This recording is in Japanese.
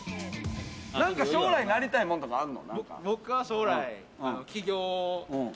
何か将来なりたいものとかあるの？